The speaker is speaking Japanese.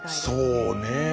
そうね。